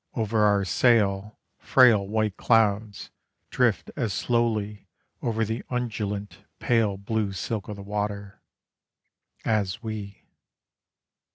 Over our sail Frail white clouds, Drift as slowly Over the undulant pale blue silk of the water, As we.